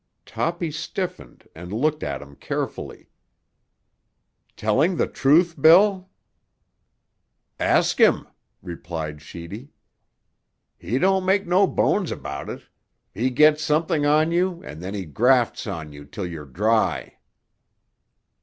Toppy stiffened and looked at him carefully. "Telling the truth, Bill?" "Ask him," replied Sheedy. "He don't make no bones about it; he gets something on you and then he grafts on you till you're dry."